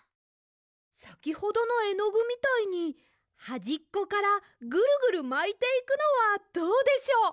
さきほどのえのぐみたいにはじっこからぐるぐるまいていくのはどうでしょう？